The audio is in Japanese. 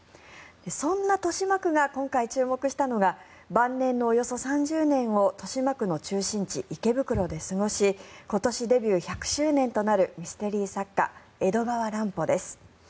そんな豊島区が今回注目したのが晩年のおよそ３０年を豊島区の中心地、池袋で過ごし今年デビュー１００周年となるミステリー作家江戸川乱歩です。